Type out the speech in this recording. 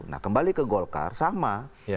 nah kembali ke golkar sama